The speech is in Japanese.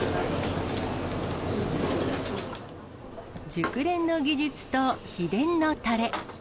熟練の技術と秘伝のたれ。